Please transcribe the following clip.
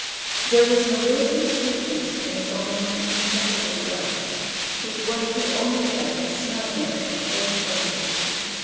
There was an elusive sweetness in its almost imperceptible breath, which one could only get by smelling it in close bunches.